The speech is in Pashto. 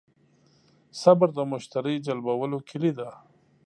صبر د مشتری جلبولو کیلي ده.